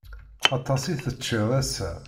Aṭas i teččiḍ ass-a.